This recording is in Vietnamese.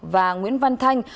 và nguyễn văn thanh